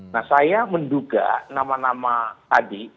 nah saya menduga nama nama tadi